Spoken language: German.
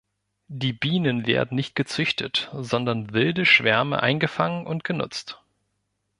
Die Bienen werden nicht gezüchtet, sondern wilde Schwärme eingefangen und genutzt.